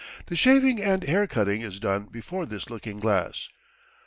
The shaving and haircutting is done before this looking glass.